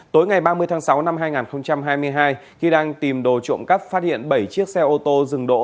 tối ngày ba mươi tháng sáu năm hai nghìn hai mươi hai khi đang tìm đồ trộm cắp phát hiện bảy chiếc xe ô tô dừng đỗ